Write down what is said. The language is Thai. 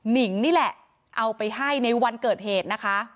นิงนี่แหละเอาไปให้ในวันเกิดเหตุนะคะ